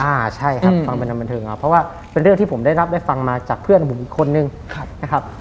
อ่าใช่ครับฟังเป็นทางบันเทิงครับเพราะว่าเป็นเรื่องที่ผมได้รับได้ฟังมาจากเพื่อนผมอีกคนนึงนะครับ